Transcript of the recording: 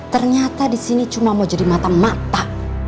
ternyata disini cuma mau jadi mata mata